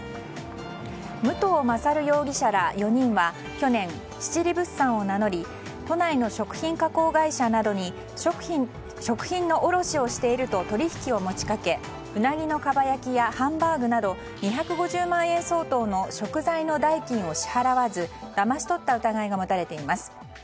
武藤勝容疑者ら４人は去年七里物産を名乗り都内の食品加工会社などに食品の卸をしていると取引を持ち掛けウナギのかば焼きやハンバーグなど２５０万円相当の食材の代金を支払わずだまし取った疑いが持たれています。